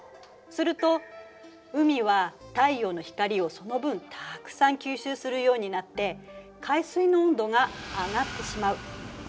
すると海は太陽の光をその分たくさん吸収するようになって海水の温度が上がってしまう。